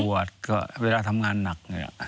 ปวดเวลาทำงานหนัก